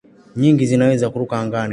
Nyingi zinaweza kuruka angani.